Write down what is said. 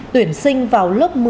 tuyển sinh vào lớp một mươi